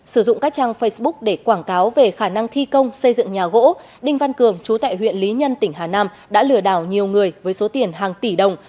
sử dụng các trang facebook để quảng cáo về khả năng thi công xây dựng nhà gỗ đinh văn cường chú tại huyện lý nhân tỉnh hà nam đã lừa đảo nhiều người với số tiền hàng tỷ đồng